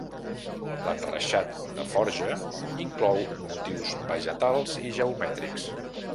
L'enreixat de forja inclou motius vegetals i geomètrics.